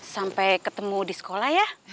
sampai ketemu di sekolah ya